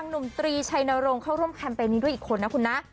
หนุ่มตรีชัยนรงค์เข้าร่วมแคมเปญนี้ด้วยอีกคนนะคุณนะ